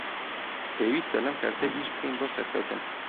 پێویستە لەم کەرتە ئیش بکەین بۆ سەرکەوتن